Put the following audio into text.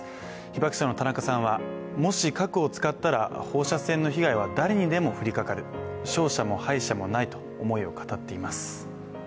被爆者の田中さんはもし核を使ったら、放射線の被害は誰にでも降りかかる、勝者も敗者もないと思いを語っています。